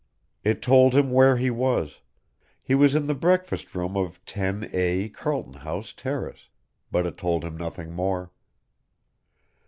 It told him where he was, he was in the breakfast room of 10A Carlton House Terrace, but it told him nothing more.